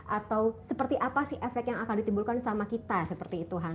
atau seperti apa sih efek yang akan ditimbulkan sama kita seperti itu han